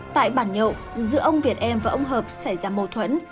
tại bản nhậu giữa ông việt em và ông hợp xảy ra mâu thuẫn